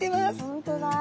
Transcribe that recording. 本当だ。